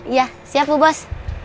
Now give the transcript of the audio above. iya siap bu bos